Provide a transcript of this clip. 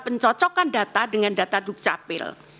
pencocokan data dengan data dukcapil